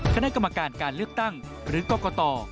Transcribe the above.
คณะกรรมการการเลือกตั้งหรือกรกต